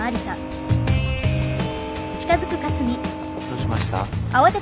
どうしました？